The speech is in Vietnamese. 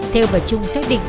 theo vở chung xác định